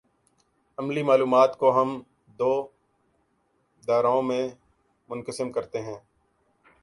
عملی معاملات کو ہم دو دائروں میں منقسم کرتے ہیں۔